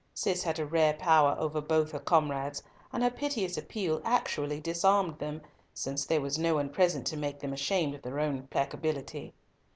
Cis had a rare power over both her comrades, and her piteous appeal actually disarmed them, since there was no one present to make them ashamed of their own placability.